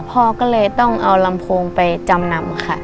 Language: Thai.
พ่อก็เลยต้องเอาลำโพงไปจำนำค่ะ